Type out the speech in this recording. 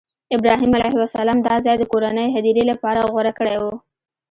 ابراهیم علیه السلام دا ځای د کورنۍ هدیرې لپاره غوره کړی و.